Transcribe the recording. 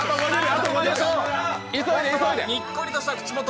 にっこりとした口元。